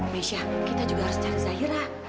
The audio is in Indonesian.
mesha kita juga harus cari zahira